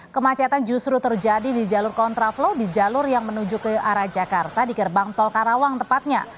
kemacetan justru terjadi di jalur kontraflow di jalur yang menuju ke arah jakarta di gerbang tol karawang tepatnya